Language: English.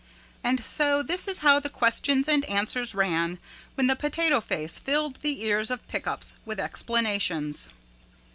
And so this is how the questions and answers ran when the Potato Face filled the ears of Pick Ups with explanations.